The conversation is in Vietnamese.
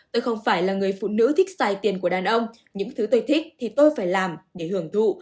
tôi không phải là người phụ nữ thích xài tiền của đàn ông những thứ tôi thích thì tôi phải làm để hưởng thụ